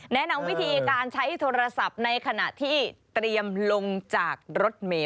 แนะนำวิธีการใช้โทรศัพท์ในขณะที่เตรียมลงจากรถเมย์